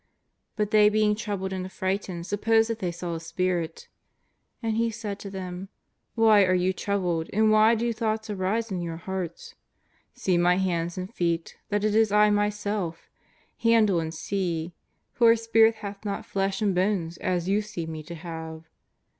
But they being troubled and affrighted supposed that they saw a spirit. And He said to them :" Why are you troubled, and why do thoughts arise in your hearts? See My hands and feet, that it is I ]Myself; handle and see, for a spirit hath not flesh and bones as you see Me to have."